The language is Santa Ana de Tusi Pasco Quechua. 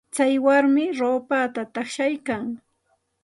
Tsay warmi ruupata taqshaykan.